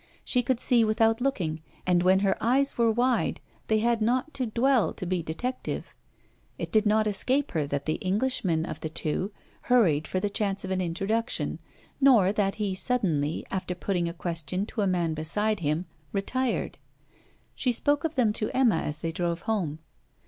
She could see without looking; and when her eyes were wide they had not to dwell to be detective. It did not escape her that the Englishman of the two hurried for the chance of an introduction, nor that he suddenly, after putting a question to a man beside him, retired. She spoke of them to Emma as they drove home.